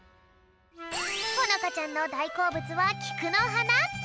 ほのかちゃんのだいこうぶつはきくのはな！